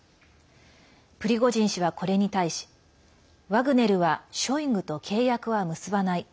プリゴジン氏は、これに対しワグネルはショイグと契約は結ばない。